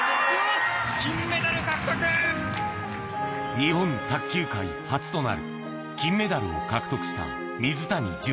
日本卓球界初となる金メダルを獲得した水谷隼。